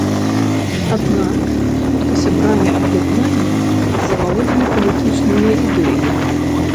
Аднак хутка сябрамі аб'яднання завалодалі палітычныя ідэі.